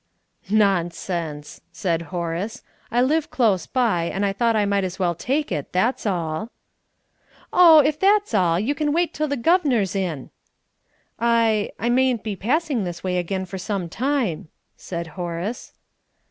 "Nonsense!" said Horace. "I live close by, and I thought I might as well take it, that's all." "Oh, if that's all, you can wait till the guv'nor's in." "I I mayn't be passing this way again for some time," said Horace.